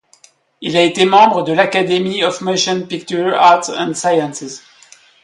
Il a été membre de l'Academy of Motion Picture Arts and Sciences.